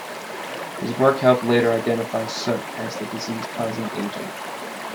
His work helped later identify soot as the disease-causing agent.